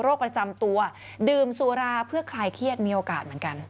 ประจำตัวดื่มสุราเพื่อคลายเครียดมีโอกาสเหมือนกัน